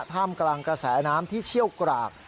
ท่ามกลางกระแสน้ำที่เชี่ยวกราก